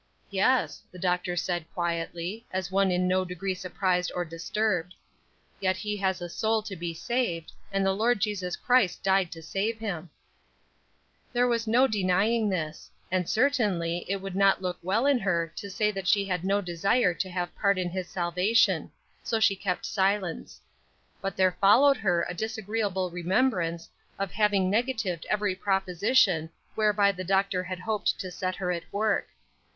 "Yes," the Doctor said, quietly, as one in no degree surprised or disturbed; "yet he has a soul to be saved, and the Lord Jesus Christ died to save him." There was no denying this; and certainly it would not look well in her to say that she had no desire to have part in his salvation; so she kept silence. But there followed her a disagreeable remembrance of having negatived every proposition whereby the doctor had hoped to set her at work.